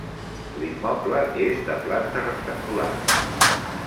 L'immoble és de planta rectangular.